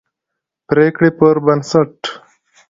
پرېکړې پربنسټ